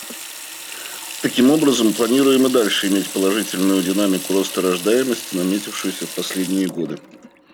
Таким образом планируем и дальше иметь положительную динамику роста рождаемости, наметившуюся в последние годы.